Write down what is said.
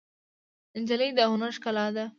نجلۍ د هنر ښکلا ده.